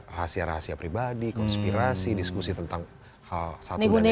rahasia rahasia pribadi konspirasi diskusi tentang hal satu dan itu